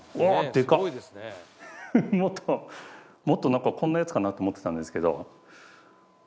もっと何かこんなやつかなと思ってたんですけど。